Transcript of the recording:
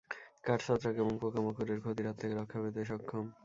কাঠ ছত্রাক এবং পোকামাকড়ের ক্ষতির হাত থেকে রক্ষা পেতে সক্ষম।